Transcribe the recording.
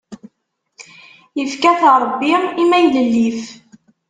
Ifka-t Ṛebbi i maylellif.